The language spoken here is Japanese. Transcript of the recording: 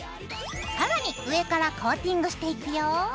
更に上からコーティングしていくよ。